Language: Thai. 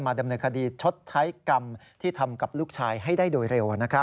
ดำเนินคดีชดใช้กรรมที่ทำกับลูกชายให้ได้โดยเร็ว